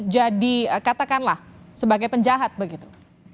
jadi katakanlah sebagai penjahat begitu